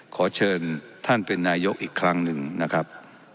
ขอเชิญท่านเป็นนายกอีกครั้งหนึ่งนะครับ